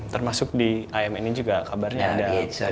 termasuk di im ini juga kabarnya ada